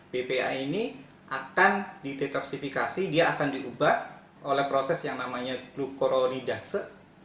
bpa ini akan didetoksifikasi dia akan diubah oleh proses yang namanya glukororidase